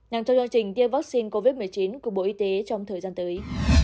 nằm trong chương trình tiêm vắc xin covid một mươi chín của bộ y tế trong thời gian tới